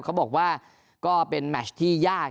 เขาบอกว่าก็เป็นแมชที่ยาก